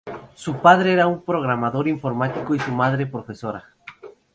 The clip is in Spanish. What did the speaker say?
Su padre era un programador informático y su madre, profesora.